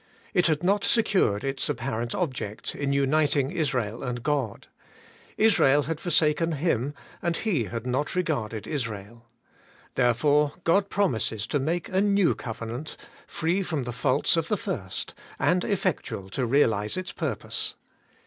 It had not secured its apparent object, in uniting Israel and God: Israel had forsaken Him, and He had not regarded Israel. Therefore God promises to make a New Covenant, free from the faults of the first, and effectual to realize its purposrf.